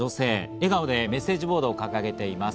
笑顔でメッセージボードを掲げています。